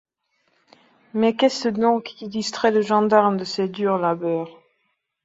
Mais qu’est-ce donc qui distrait le gendarme de ses durs labeurs ?